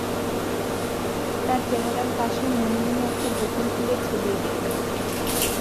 তাঁর চেহারার পাশে মনে মনে একটা বকুল ফুলের ছবি এঁকে রাখো।